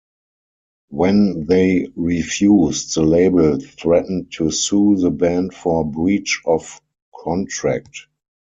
When they refused, the label threatened to sue the band for breach of contract.